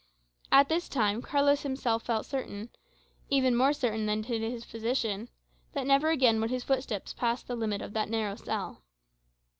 At this time Carlos himself felt certain even more certain than did his physician that never again would his footsteps pass the limits of that narrow cell.